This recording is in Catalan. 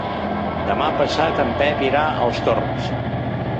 Demà passat en Pep irà als Torms.